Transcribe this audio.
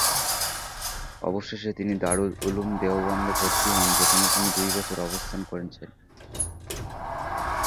অবশেষে তিনি দারুল উলূম দেওবন্দে ভর্তি হন যেখানে তিনি দুই বছর অবস্থান করেনছেন।